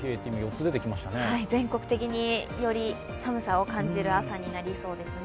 全国的により寒さを感じる朝になりそうですね。